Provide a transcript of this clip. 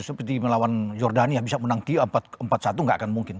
seperti melawan jordania bisa menang q empat satu nggak akan mungkin